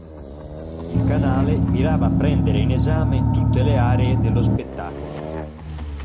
Il canale mirava a prendere in esame tutte le aree dello spettacolo.